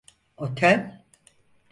Otel…